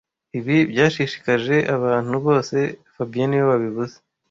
Ibi byashishikaje abantu bose fabien niwe wabivuze